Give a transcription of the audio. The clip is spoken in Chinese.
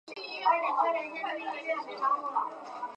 川北钩距黄堇为罂粟科紫堇属下的一个种。